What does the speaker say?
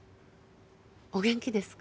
お元気ですか？